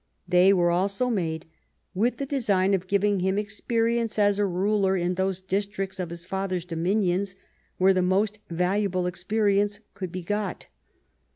They were also made with the design of giving him experience as a ruler in those districts of his father's dominions Avhere the most valuable experience could be got.